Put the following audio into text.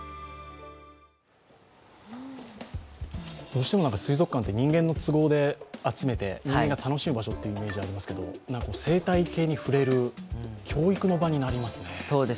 どうしても水族館って人間の都合で集めて人間が楽しむ場所ってイメージがありますけど生態系に触れる、教育の場になりますね。